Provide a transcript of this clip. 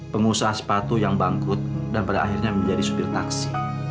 pengusaha sepatu yang bangkrut dan pada akhirnya menjadi supir taksi